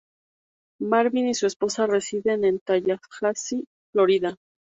Marvin y su esposa residen en Tallahassee, Florida.